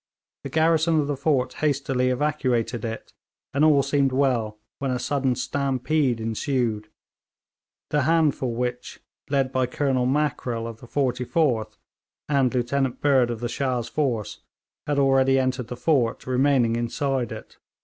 The garrison of the fort hastily evacuated it, and all seemed well, when a sudden stampede ensued the handful which, led by Colonel Mackrell of the 44th and Lieutenant Bird of the Shah's force, had already entered the fort, remaining inside it.